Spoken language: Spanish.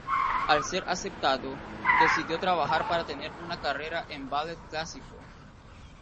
Al ser aceptado, decidió trabajar para tener una carrera en ballet clásico.